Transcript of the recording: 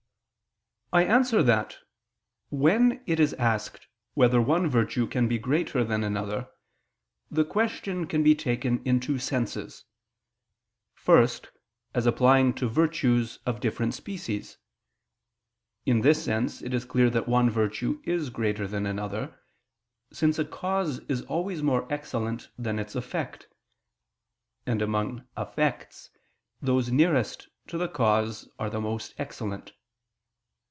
I answer that, When it is asked whether one virtue can be greater than another, the question can be taken in two senses. First, as applying to virtues of different species. In this sense it is clear that one virtue is greater than another; since a cause is always more excellent than its effect; and among effects, those nearest to the cause are the most excellent.